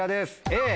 Ａ。